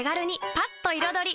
パッと彩り！